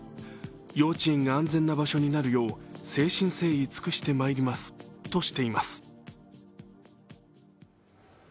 幼稚園が安全な場所になるよう誠心誠意尽くしてまいりますとしています。